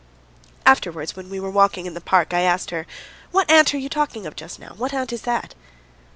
Afterwards when we were walking in the park I asked her: "What aunt were you talking of just now? What aunt is that?"